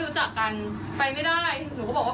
พี่จะกลับแล้วผมไปด้วยได้ไหมหนูด้วยความที่เราไม่รู้จักกัน